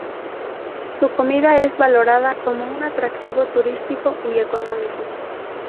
Su comida es valorada como un atractivo turístico y económico.